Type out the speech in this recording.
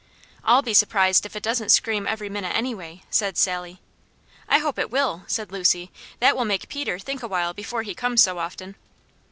"I'll be surprised if it doesn't scream every minute anyway," said Sally. "I hope it will," said Lucy. "That will make Peter think a while before he comes so often."